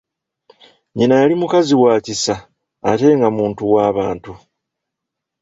Nnyina yali mukazi wa kisa ate nga muntu wabantu.